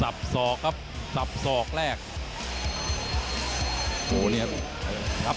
ปลายยกแล้วครับ